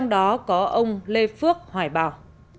đó có ông lê phước hoài bảo